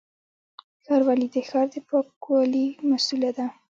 ښاروالي د ښار د پاکوالي مسووله ده